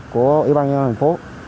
của ủy ban nhân dân thành phố